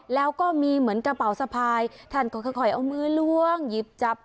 แล้วก็มีเหมือนกระเป๋าสะพายท่านก็ค่อยเอามือล้วงหยิบจับ